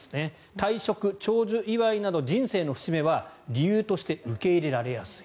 退職、長寿祝いなどの人生の節目は理由として受け入れられやすい。